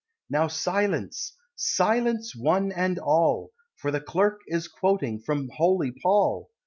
"Now silence silence one and all!" For the Clerk is quoting from Holy Paul!